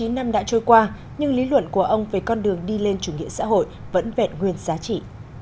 một trăm chín mươi chín năm đã trôi qua nhưng lý luận của ông về con đường đi lên chủ nghĩa xã hội vẫn vẹn nguyên giá trị